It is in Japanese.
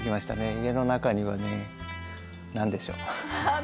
家の中にはね何でしょう？